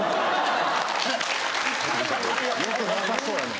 良くなさそうやな。